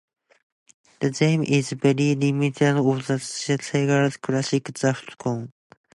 The game is very reminiscent of the Sega classic Zaxxon.